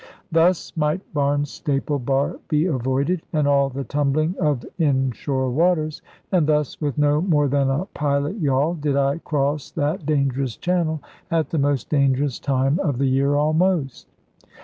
Thus might Barnstaple bar be avoided, and all the tumbling of inshore waters; and thus with no more than a pilot yawl did I cross that dangerous channel, at the most dangerous time of the year almost.